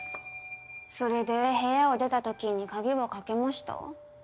それで部屋を出た時に鍵は掛けました？